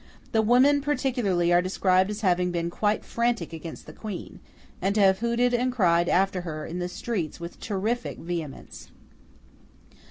The women particularly are described as having been quite frantic against the Queen, and to have hooted and cried after her in the streets with terrific vehemence.